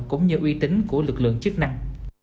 cũng như uy tính của lực lượng chức năng